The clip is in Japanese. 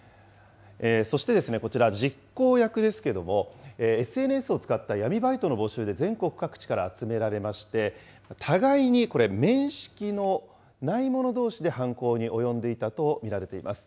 そして、こちら、実行役ですけれども、ＳＮＳを使った闇バイトの募集で全国各地から集められまして、互いにこれ、面識のない者どうしで犯行に及んでいたと見られています。